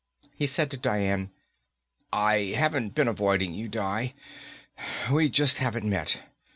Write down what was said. He said to Dian, "I haven't been avoiding you, Di. We just haven't met.